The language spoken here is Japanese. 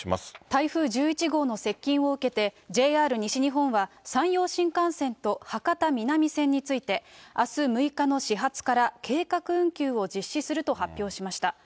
台風１１号の接近を受けて、ＪＲ西日本は、山陽新幹線と博多南線について、あす６日の始発から計画運休を実施すると発表しました。